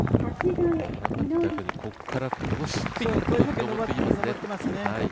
ご覧になっていただくように、ここからものすごい上っていきますね。